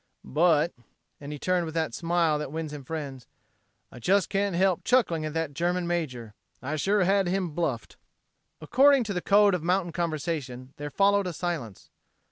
"But," and he turned with that smile that wins him friends, "I just can't help chuckling at that German major. I sure had him bluffed." According to the code of mountain conversation there followed a silence.